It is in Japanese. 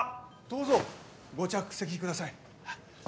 どうぞご着席ください。